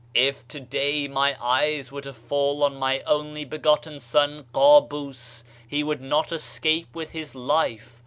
If today my eyes were to fall on my only begotten son Kabus, he could not escape with his life.